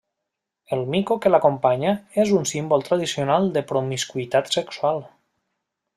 El mico que l'acompanya és un símbol tradicional de promiscuïtat sexual.